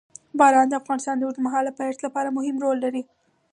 باران د افغانستان د اوږدمهاله پایښت لپاره مهم رول لري.